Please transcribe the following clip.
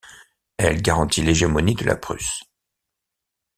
Elle garantit l’hégémonie de la Prusse.